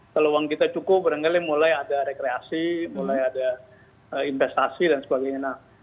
kalau uang kita cukup barangkali mulai ada rekreasi mulai ada investasi dan sebagainya